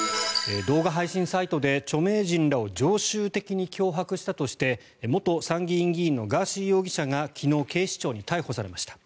動画配信サイトで著名人らを常習的に脅迫したとして元参議院議員のガーシー容疑者が昨日、警視庁に逮捕されました。